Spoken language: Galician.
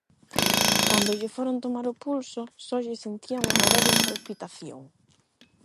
Cando lle foron tomar o pulso, só lle sentían unha débil palpitación.